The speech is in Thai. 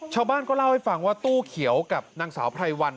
ชาวบ้านก็เล่าให้ฟังว่าตู้เขียวกับนางสาวไพรวัน